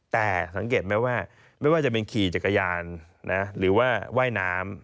แต่สังเกตไหมว่าไม่ว่าจะเป็นขี่จักรยานหรือว่าว่ายน้ำ